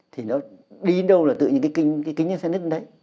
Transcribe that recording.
thì nó đi đến đâu là tự nhiên cái kính sẽ nứt lên đấy